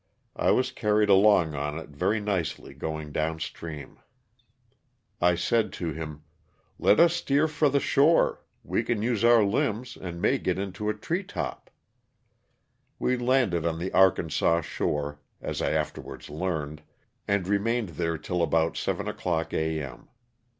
I was carried along on it very njcely going down stream I said to 160 LOSS OF THE SULTANA. him, *'Let us steer for the shore, we can use our limbs and may get into a tree top/' We landed on the Arkansas shore, as I afterwards learned, and remained there till about seven o'clock A. m.